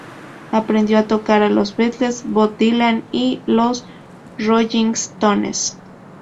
Aprendió a tocar a los Beatles, Bob Dylan y los Rolling Stones.